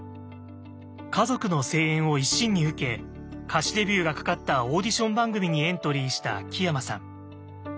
家族の声援を一身に受け歌手デビューがかかったオーディション番組にエントリーした木山さん。